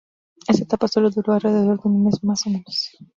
Esta etapa sólo dura alrededor de un mes más o menos.